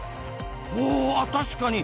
ほう確かに！